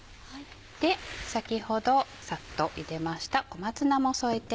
で先ほどサッとゆでました小松菜も添えて。